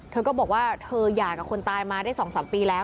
เธอก็บอกว่าเธอหย่ากับคนตายมาได้๒๓ปีแล้ว